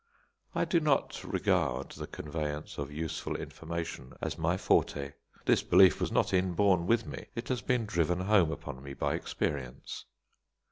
I do not regard the conveyance of useful information as my forte. This belief was not inborn with me; it has been driven home upon me by experience.